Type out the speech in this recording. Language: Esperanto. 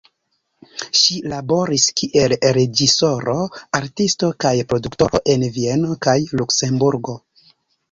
Ŝi laboris kiel reĝisoro, artisto kaj produktoro en Vieno kaj Luksemburgo.